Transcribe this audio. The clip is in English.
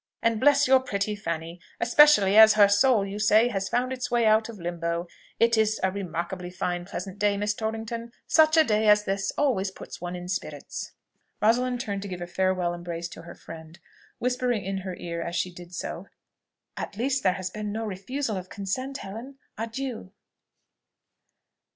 And bless your pretty Fanny! especially as her soul, you say, has found its way out of Limbo. It is a remarkably fine, pleasant day, Miss Torrington: such a day as this always puts one in spirits." Rosalind turned to give a farewell embrace to her friend, whispering in her ear as she did so, "At least there has been no refusal of consent, Helen! Adieu!"